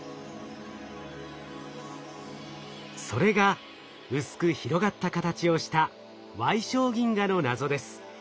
それが薄く広がった形をした矮小銀河の謎です。